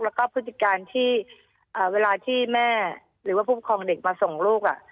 แล้วก็พฤติการที่เวลาที่แม่หรือว่าผู้ปกครองเด็กมาส่งลูก